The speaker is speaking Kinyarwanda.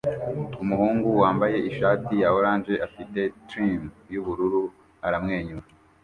Umuhungu wambaye ishati ya orange afite trim yubururu aramwenyura